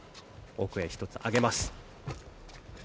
奥へ１つ上げます。